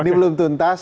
ini belum tuntas